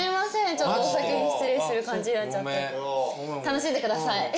ちょっとお先に失礼する感じになっちゃって楽しんでください